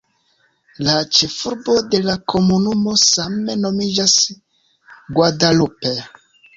La ĉefurbo de la komunumo same nomiĝas "Guadalupe".